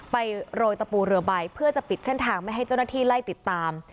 โรยตะปูเรือใบเพื่อจะปิดเส้นทางไม่ให้เจ้าหน้าที่ไล่ติดตาม